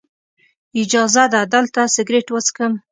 اجازه ده دلته سګرټ وڅکم.